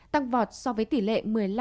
tăng vọt so với tỷ lệ